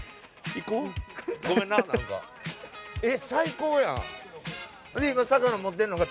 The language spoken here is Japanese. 最高やん。